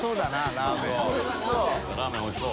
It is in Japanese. ラーメンおいしそう。